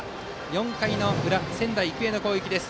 ４回の裏、仙台育英の攻撃です。